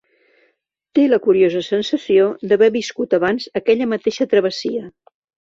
Té la curiosa sensació d'haver viscut abans aquella mateixa travessia.